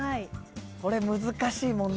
これ難しい問題。